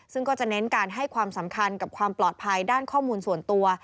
ซึ่งก็จะเน้นการให้ความสำคัญกับความปลอดภัยด้านข้อมูลส่วนตัว